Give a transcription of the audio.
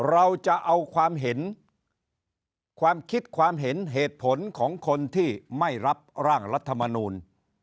เราจะเอาความเห็นความคิดความเห็นเหตุผลของคนที่ไม่รับร่างรัฐมนูล